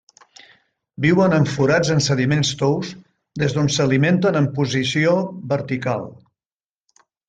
Viuen en forats en sediments tous des d'on s'alimenten en posició vertical.